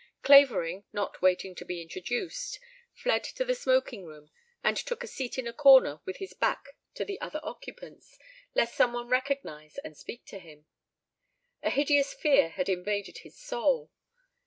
Clavering, not waiting to be introduced, fled to the smoking room and took a seat in a corner with his back to the other occupants lest some one recognize and speak to him. A hideous fear had invaded his soul.